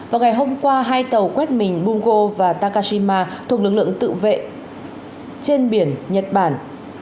vào ngày hôm qua hai tàu quét mình bungo và takashima thuộc lực lượng tự vệ trên biển nhật bản